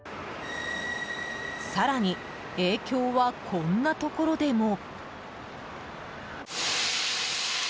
更に影響はこんなところでも。